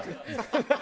ハハハハ！